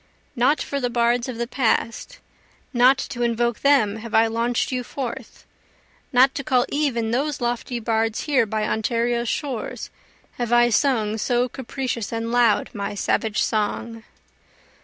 Not for the bards of the past, not to invoke them have I launch'd you forth, Not to call even those lofty bards here by Ontario's shores, Have I sung so capricious and loud my savage song.